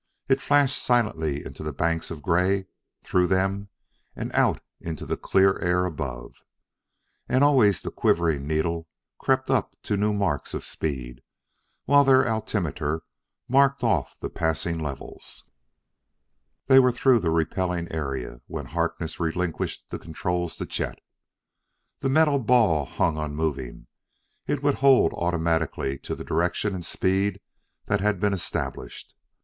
It flashed silently into the banks of gray, through them, and out into clear air above. And always the quivering needle crept up to new marks of speed, while their altimeter marked off the passing levels. They were through the repelling area when Harkness relinquished the controls to Chet. The metal ball hung unmoving; it would hold automatically to the direction and speed that had been established.